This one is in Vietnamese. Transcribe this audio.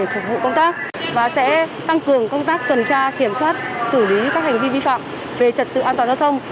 phục vụ công tác và sẽ tăng cường công tác tuần tra kiểm soát xử lý các hành vi vi phạm về trật tự an toàn giao thông